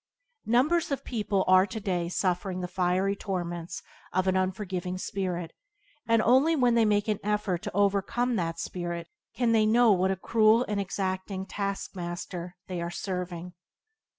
Numbers of people are today suffering the fiery torments of an unforgiving spirit, and only when they make an effort to overcome that spirit can they know what a cruel and exacting taskmaster they are serving.